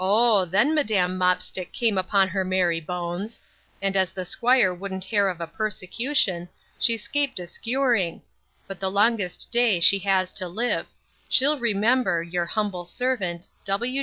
then madam Mopstick came upon her merry bones; and as the squire wouldn't hare of a pursecution, she scaped a skewering: but the longest day she has to live, she'll remember your Humble sarvant, W.